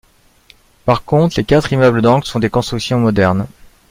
Par contre, les quatre immeubles d'angle sont des constructions modernes.